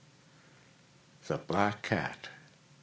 THE BLACK CAT.